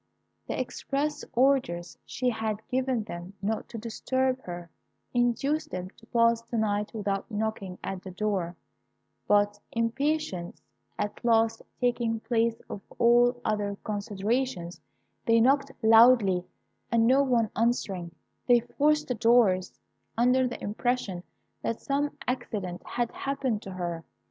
The express orders she had given them not to disturb her, induced them to pass the night without knocking at the door; but impatience at last taking place of all other considerations, they knocked loudly, and no one answering, they forced the doors, under the impression that some accident had happened to her.